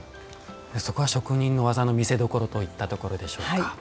そこは職人の技の見せどころといったところでしょうか。